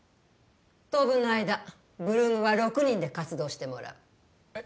当分の間８ＬＯＯＭは６人で活動してもらうえっ